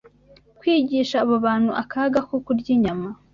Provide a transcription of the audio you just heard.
kwigisha abo bantu akaga ko kurya inyama